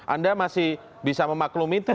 anda masih bisa memaklumi itu